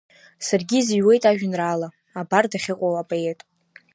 Саргьы изыҩуеит ажәеинраала, абар дахьыҟоу апоет.